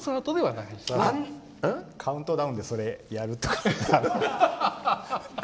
カウントダウンでそれをやるとかは？